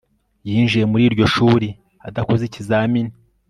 Yinjiye muri iryo shuri adakoze ikizamini